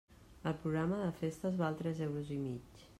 El programa de festes val tres euros i mig.